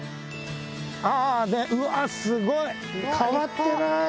あー、うわ、すごい。変わってない。